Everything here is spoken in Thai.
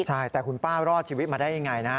ใช่แต่คุณป้ารอดชีวิตมาได้ยังไงนะ